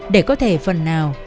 để có thể phần nào